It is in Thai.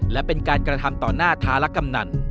และเป็นการกระทำต่อหน้าธารกำนัน